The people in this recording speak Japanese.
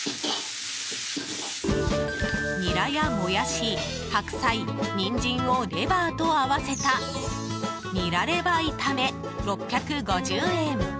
ニラやモヤシ、白菜、ニンジンをレバーと合わせたニラレバ炒め、６５０円。